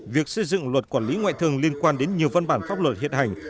việc xây dựng luật quản lý ngoại thương liên quan đến nhiều văn bản pháp luật hiện hành